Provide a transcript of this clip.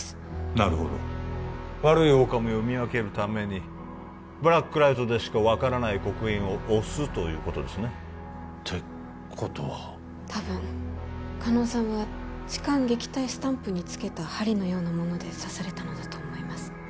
なるほど悪い狼を見分けるためにブラックライトでしか分からない刻印を押すということですねってことは多分狩野さんは痴漢撃退スタンプにつけた針のようなもので刺されたのだと思います